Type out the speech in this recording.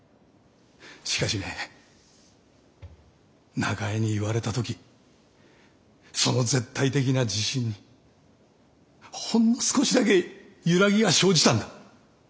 しかしね中江に言われた時その絶対的な自信にほんの少しだけ揺らぎが生じたんだ。